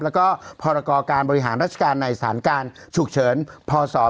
แล้วก็พการบริหารราชการในศาลการณ์ฉุกเฉิน